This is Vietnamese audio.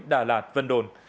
đà lạt vân đồn